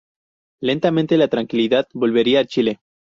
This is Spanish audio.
Lentamente la tranquilidad volvería a Chile.